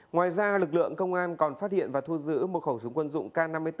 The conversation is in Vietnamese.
ngoài ra lực lượng công an còn phát hiện và thu giữ một khẩu súng quân dụng k năm mươi bốn